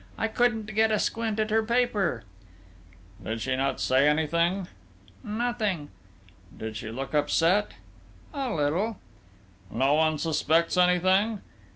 I couldn't get a squint at her paper...." "Did she not say anything?" "Nothing." "Did she look upset?" "A little." "No one suspects anything?"